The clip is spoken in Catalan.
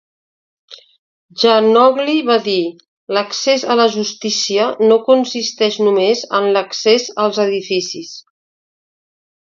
Djanogly va dir: "L'accés a la justícia no consisteix només en l'accés als edificis".